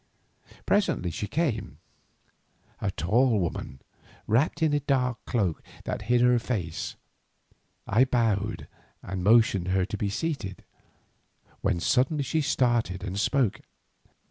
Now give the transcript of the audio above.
Presently she came, a tall woman wrapped in a dark cloak that hid her face. I bowed and motioned to her to be seated, when suddenly she started and spoke.